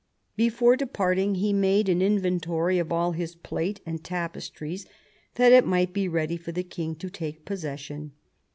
Before departing he made an inventory of all his plate and tapestries, that it might be ready for the king to take possession.